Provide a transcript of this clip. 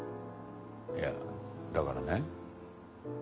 いやだからね。